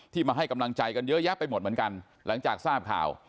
มาให้กำลังใจกันเยอะแยะไปหมดเหมือนกันหลังจากทราบข่าว